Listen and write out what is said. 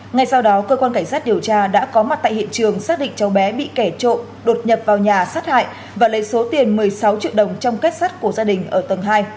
ngay sau đó cơ quan cảnh sát điều tra đã có mặt tại hiện trường xác định cháu bé bị kẻ trộm đột nhập vào nhà sát hại và lấy số tiền một mươi sáu triệu đồng trong kết sắt của gia đình ở tầng hai